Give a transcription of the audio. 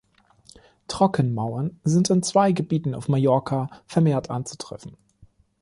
Trockenmauern sind in zwei Gebieten auf Mallorca vermehrt anzutreffen.